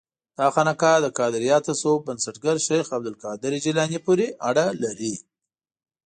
دا خانقاه د قادریه تصوف بنسټګر شیخ عبدالقادر جیلاني پورې اړه لري.